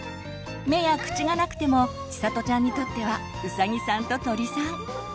目や口がなくてもちさとちゃんにとってはうさぎさんと鳥さん。